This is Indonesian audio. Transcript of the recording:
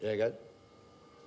kita kalau kurang sedikit pasti